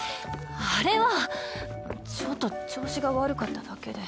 あれはちょっと調子が悪かっただけで。